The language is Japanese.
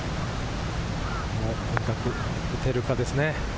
うまく打てるかですね。